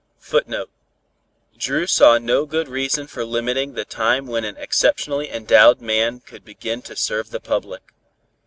[Footnote: Dru saw no good reason for limiting the time when an exceptionally endowed man could begin to serve the public.